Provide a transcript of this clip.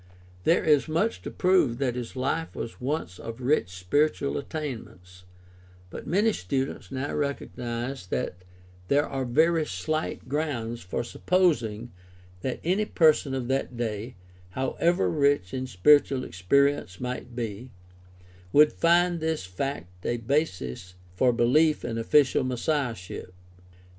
There is much to prove that his life was one of rich spiritual attain ments, but many students now recognize that there are very slight grounds for supposing that any person of that day, how ever rich his spiritual experience might be, would find in this fact a basis for beHef in official messiahship.